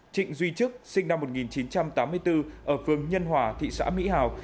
trịnh duy trước sinh năm một nghìn chín trăm tám mươi bốn ở phường nhân hòa thị xã mỹ hào